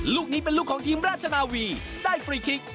ลูกนี้เป็นลูกของทีมราชนาวีได้ฟรีคลิก